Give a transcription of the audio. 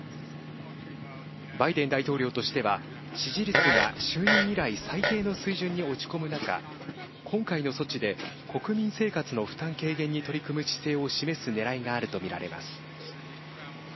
バイデン大統領としては支持率が就任以来最低の水準に落ち込む中今回の措置で国民生活の負担軽減に取り組む姿勢を示すねらいがあるとみられます。